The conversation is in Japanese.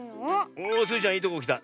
おスイちゃんいいとこきた。